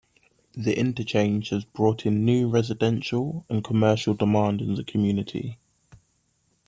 The interchange has brought in new residential and commercial demand in the community.